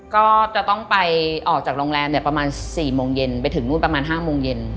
ก็จะต้องไปออกจากโรงแรมประมาณ๔โมงเย็นไปถึงนู่นประมาณ๕โมงเย็น